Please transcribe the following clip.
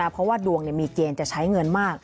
เพราะว่าดวงมีเกณฑ์จะใช้เงินมาก